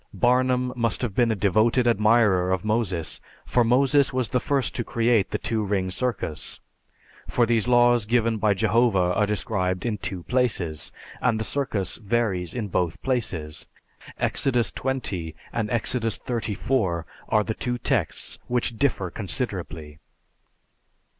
Barnum must have been a devoted admirer of Moses, for Moses was the first to create the two ring circus; for these laws given by Jehovah are described in two places, and the circus varies in both places. Exodus XX and Exodus XXXIV are the two texts which differ considerably.